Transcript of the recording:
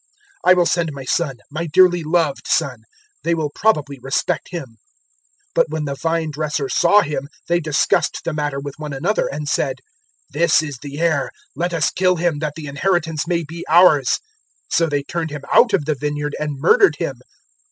I will send my son my dearly loved son: they will probably respect him.' 020:014 "But when the vine dressers saw him, they discussed the matter with one another, and said, "`This is the heir: let us kill him, that the inheritance may be ours.' 020:015 "So they turned him out of the vineyard and murdered him.